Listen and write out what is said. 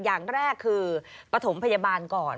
อย่างแรกคือปฐมพยาบาลก่อน